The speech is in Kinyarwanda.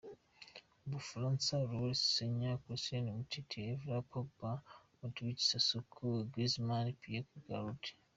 U Bufaransa: Lloris; Sagna, Koscielny, Umtiti, Evra, Pogba, Matuidi, Sissoko, Griezmann, Payet; Giroud.